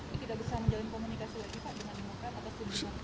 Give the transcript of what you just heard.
ini tidak bisa menjalin komunikasi lagi pak dengan di mekan atau di indonesia